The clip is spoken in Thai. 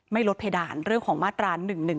ลดเพดานเรื่องของมาตรา๑๑๒